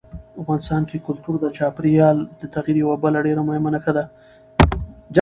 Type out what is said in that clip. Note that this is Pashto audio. افغانستان کې کلتور د چاپېریال د تغیر یوه بله ډېره مهمه نښه ده.